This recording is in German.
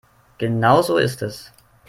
Genau so ist es.